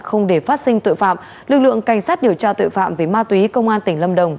không để phát sinh tội phạm lực lượng cảnh sát điều tra tội phạm về ma túy công an tỉnh lâm đồng